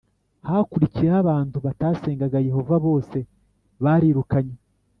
hakurikiyeho abantu batasengaga Yehova bose barirukanywe